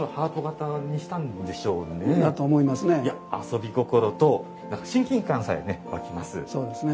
遊び心と親近感さえね湧きます。